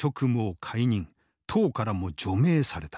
党からも除名された。